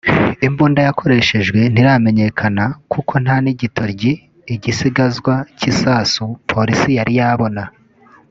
Imbunda yakoreshejwe ntiramenyekana kuko nta n’igitoryi (igisigazwa cy’isasu) Polisi yari yabona